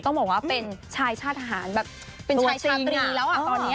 ต้องบอกว่าเป็นชายชาติทหารแบบเป็นชายชาตรีแล้วอ่ะตอนนี้